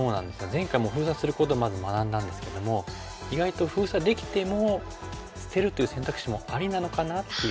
前回封鎖することをまず学んだんですけども意外と封鎖できても捨てるという選択肢もありなのかなっていう。